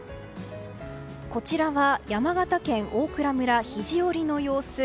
こちらは山形県大蔵村肘折の様子。